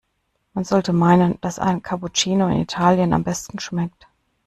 Man sollte meinen, dass ein Cappuccino in Italien am besten schmeckt.